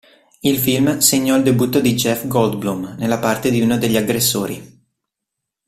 Il film segnò il debutto di Jeff Goldblum, nella parte di uno degli aggressori.